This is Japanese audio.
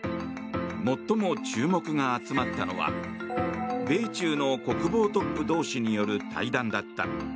最も注目が集まったのは米中の国防トップ同士による対談だった。